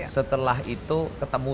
setelah itu ketemu